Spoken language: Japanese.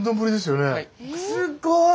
すごい！